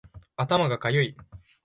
頭がかゆい